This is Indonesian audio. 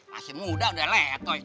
masih muda udah letoy